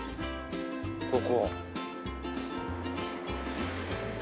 ここ。